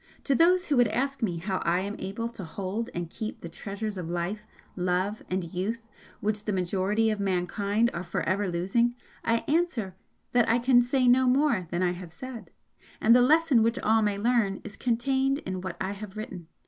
To those who would ask me how I am able to hold and keep the treasures of life, love and youth, which the majority of mankind are for ever losing, I answer that I can say no more than I have said, and the lesson which all may learn is contained in what I have written.